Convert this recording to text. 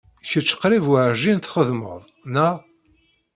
Kecc qrib werjin txeddmed, naɣ?